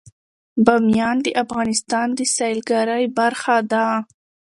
بامیان د افغانستان د سیلګرۍ برخه ده.